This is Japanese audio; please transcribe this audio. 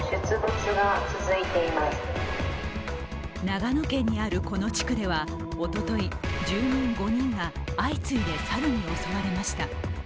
長野県にある、この地区ではおととい、住民５人が相次いで猿に襲われました。